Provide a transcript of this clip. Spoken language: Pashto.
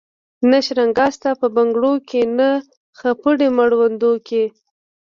نه شرنګا سته په بنګړو کي نه خپړي مړوندو کي